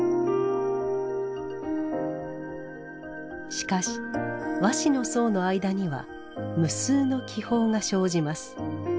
しかし和紙の層の間には無数の気泡が生じます。